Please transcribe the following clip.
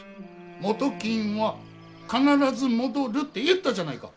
元金は必ず戻るって言ったじゃないか。